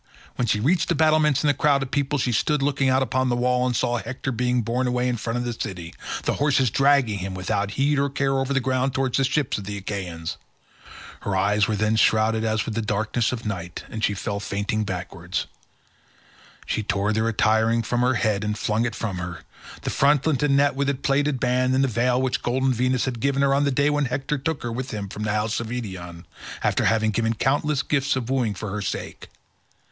When she reached the battlements and the crowd of people, she stood looking out upon the wall, and saw Hector being borne away in front of the city—the horses dragging him without heed or care over the ground towards the ships of the Achaeans. Her eyes were then shrouded as with the darkness of night and she fell fainting backwards. She tore the attiring from her head and flung it from her, the frontlet and net with its plaited band, and the veil which golden Venus had given her on the day when Hector took her with him from the house of Eetion, after having given countless gifts of wooing for her sake.